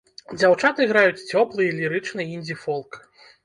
Дзяўчаты граюць цёплы і лірычны індзі-фолк.